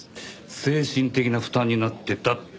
精神的な負担になってたって事ですか？